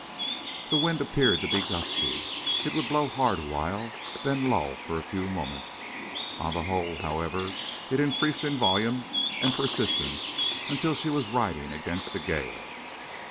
The wind appeared to be gusty. It would blow hard awhile, then lull for a few moments. On the whole, however, it increased in volume and persistence until she was riding against a gale.